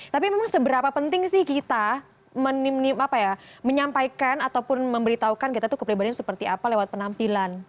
tapi memang seberapa penting sih kita menyampaikan ataupun memberitahukan kita tuh kepribadian seperti apa lewat penampilan